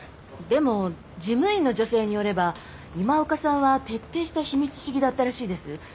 でも事務員の女性によれば今岡さんは徹底した秘密主義だったらしいです。